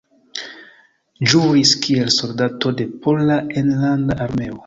Ĵuris kiel soldato de Pola Enlanda Armeo.